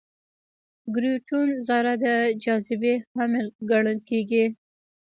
د ګرویتون ذره د جاذبې حامل ګڼل کېږي.